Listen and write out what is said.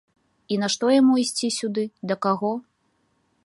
І нашто яму ісці сюды, да каго?